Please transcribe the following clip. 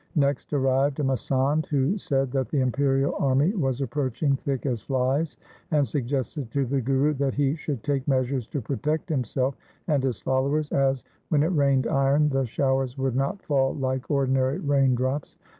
Next arrived a masand who said that the imperial army was approaching thick as flies, and suggested to the Guru that he should take measures to protect himself and his followers, as, when it rained iron, the showers would not fall like ordinary raindrops.